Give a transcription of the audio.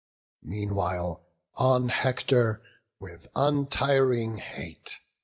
Meanwhile on Hector, with untiring hate.